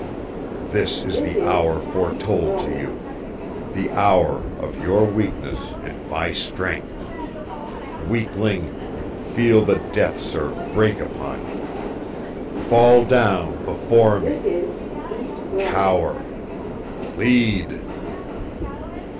This is the hour foretold to you, the hour of your weakness and my strength. Weakling, feel the death surf break upon you. Fall down before me. Cower plead!"